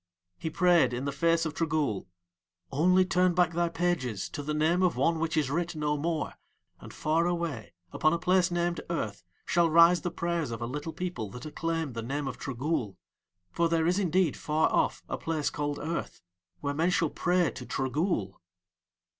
He prayed in the face of Trogool: "Only turn back thy pages to the name of one which is writ no more, and far away upon a place named Earth shall rise the prayers of a little people that acclaim the name of Trogool, for there is indeed far off a place called Earth where men shall pray to Trogool."